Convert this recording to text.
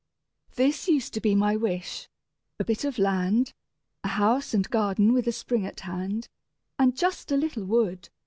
This used to be my wish: a bit of land, A house and garden with a spring at hand, And just a little wood.